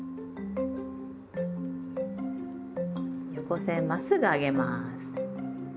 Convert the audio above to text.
横線まっすぐ上げます。